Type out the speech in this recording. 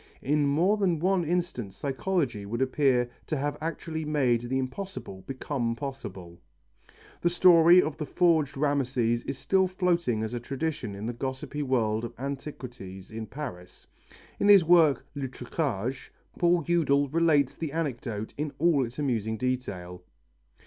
In more than one instance psychology would appear to have actually made the impossible become possible. The story of the forged Rameses is still floating as a tradition in the gossipy world of antiquities in Paris. In his work, Le Truquage, Paul Eudel relates the anecdote in all its amusing detail.